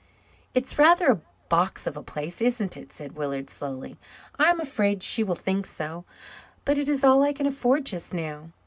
"It's rather a box of a place, isn't it?" said Willard slowly. "I'm afraid she will think so. But it is all I can afford just now.